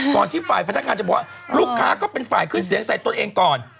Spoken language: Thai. ที่ฝ่ายพนักงานจะบอกว่าลูกค้าก็เป็นฝ่ายขึ้นเสียงใส่ตัวเองก่อน